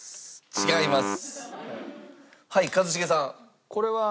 違います。